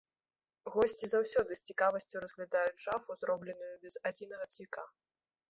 Госці заўсёды з цікавасцю разглядаюць шафу, зробленую без адзінага цвіка!